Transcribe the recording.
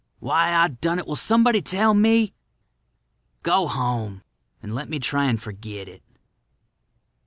Why I done it, will somebody tell me? Go home, and let me try and forget it."